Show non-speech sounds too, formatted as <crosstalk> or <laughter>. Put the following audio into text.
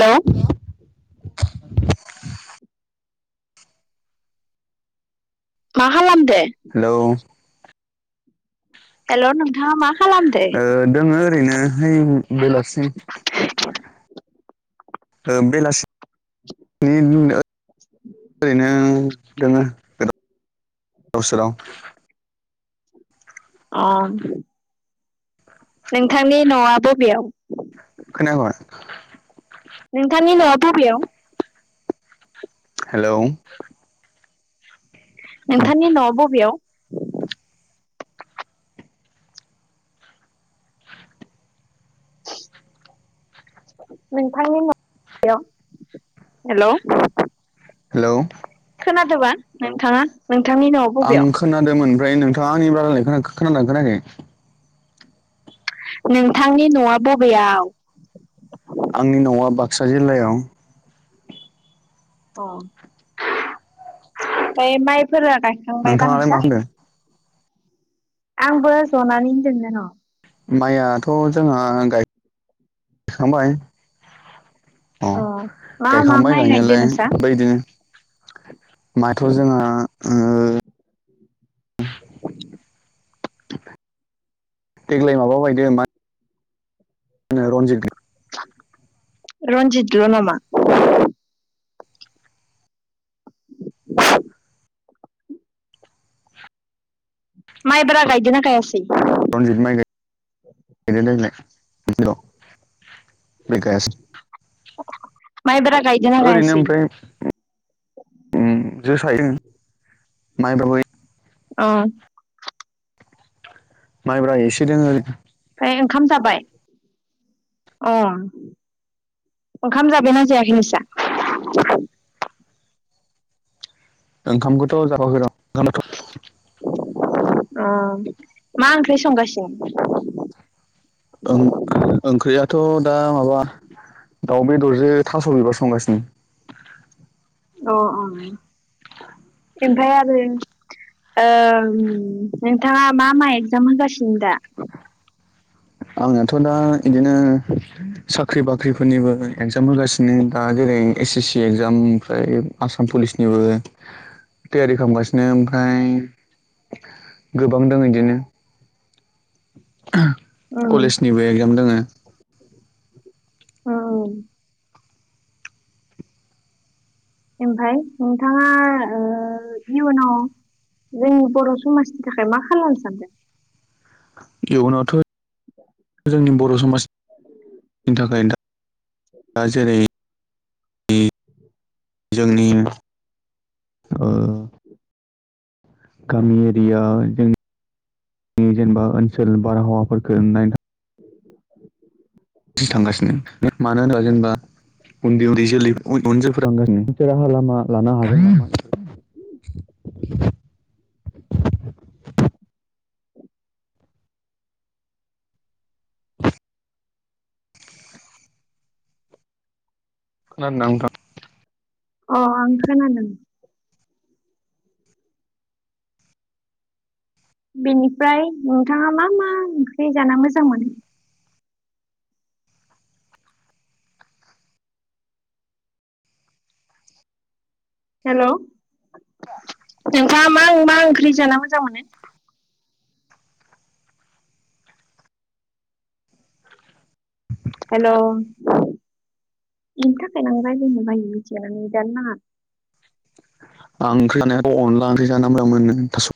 हेल' मा खालामदो hello hello नोंथाङा मा खालामदे दोङो ओरैनो है बेलासि बेलासिनि उ ओरैनो दङो गो गोाव सोराव अ नोंथांनि न'आ बबेयाव खोनाखा नोंथांनि न'आ बबेयाव हेलौ नोंथांनि न'आव बबेयाव नोंथांनि हेल' हेलौ खोनादोंबा नोंथाङा नोंथांनि न' आं खोनादोंमोन ओमफ्राय नोंथाङा आंनि बादाय खोनादोंना खोनायाखै नोंथांनि न'आ बबेयाव आंनि न'आ बाक्सा जिल्लायाव अ ओमफ्राय माइफोरा गायखांबायबा नोंथाङालाय नोंस्रा मा खामदों? आंबो जनानैनो दोननो न' माइयाथ' जोंहा गायखांबाय अ मा मा गायखांबाय माइ गायदो गायनायालाय नोंसा ओमफ्राय बिदिनो माइथ' जोंहा ओम देग्लाय माबा बायदों मा होनो रनजित रन्जित ल' नामा? माइब्रा गायदोंना गायासै? रनजित माइ <unintelligible> गायासै माइबार गाय ओरैनो ओमफ्राय <unintelligible> औ माइब्रा एसे दोङो ओमफ्राय ओंखाम जाबाय? अ ओंखाम जाबायना जायाखै नोंसा? ओंखामखौथ' <unintelligible> ओम मा ओंख्रि संगासिनो? ओंख्रियाथ' दा माबा दाउ बेदरजों थास' बिबार संगासिनो। अ' अ' <unintelligible> <unintelligible> नोंथाङा मा मा एगजाम होगासिनो दा? आंनाथ' दा बिदिनो साख्रि बाख्रिफोरनिबो एगजाम होगासिनो दा जेरै एस एस सि एकजाम ओमफ्राय आसाम पुलिसनिबो तियारि खालामगासिनो ओमफ्राय गोबां दं बिदिनो कलेजनिबो एगजाम दोङो। ओम ओमफाय नोंथाङा इयुनाव जोंनि बर' समाजनि थाखाय मा खालामनो सानदों? इयुनावथ' जोंनि बर' समाज नि थाखाय जेरै जोंनि ओ <inaudible> गामि एरिया जों जेनेबा ओनसोल बारहावाफोरखौ नायनो थांगासिनो मानो होनोबा जेनेबा उन्दै उन्दै जोलै उन जोलैफोरा थांगासिनो मोनसे राहा लामा लानो हागोन नामा खोनादों ना नोंथां औ आं खोनादों। बेनिफ्राय नोंथाङा मा मा ओंख्रि जाना मोजां मोनो? हेल' नोंथाङा मा मा ओंख्रि जाना मोजां मोनो? <unintelligible> <unintelligible> आं ओंख्रि जानाय अनला ओंख्रि जाना मोजां मोनो नोंथां।